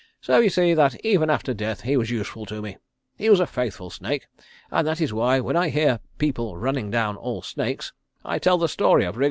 So you see that even after death he was useful to me. He was a faithful snake, and that is why when I hear people running down all snakes I tell the story of Wriggletto."